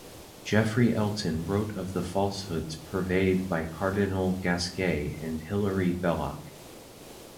Geoffrey Elton wrote of the falsehoods purveyed by Cardinal Gasquet and Hilaire Belloc.